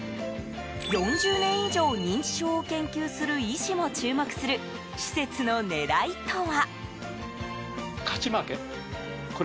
４０年以上、認知症を研究する医師も注目する施設の狙いとは。